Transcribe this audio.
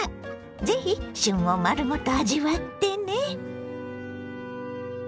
是非旬を丸ごと味わってね！